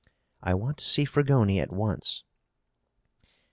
"I want to see Fragoni at once."